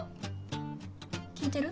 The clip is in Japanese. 聞いてる？